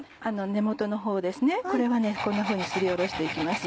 根元のほうこれはこんなふうにすりおろして行きます。